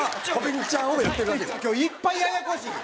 今日いっぱいややこしい。